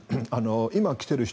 今、来ている人